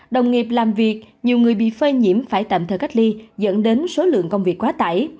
đồng nghiệp làm việc nhiều người bị phơi nhiễm phải tạm thời cách ly dẫn đến số lượng công việc quá tải